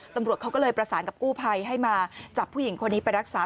ตำรวจเขาก็เลยประสานกับกู้ภัยให้มาจับผู้หญิงคนนี้ไปรักษา